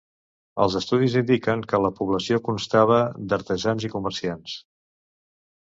Els estudis indiquen que la població constava d'artesans i comerciants.